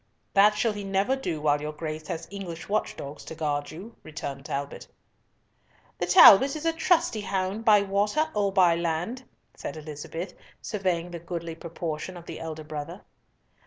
"That shall he never do while your Grace has English watch dogs to guard you," returned Talbot. "The Talbot is a trusty hound by water or by land," said Elizabeth, surveying the goodly proportion of the elder brother.